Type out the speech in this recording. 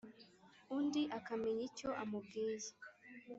undi akamenya icyo amubwiye.